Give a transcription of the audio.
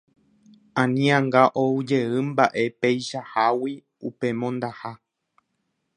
Ani anga oujeýmba'e peichahágui upe mondaha.